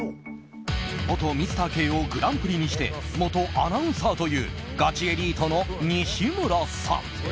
元ミスター慶應グランプリにして元アナウンサーというガチエリートの西村さん。